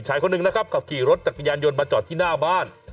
ชายคนหนึ่งนะครับขับขี่รถจักรยานยนต์มาจอดที่หน้าบ้าน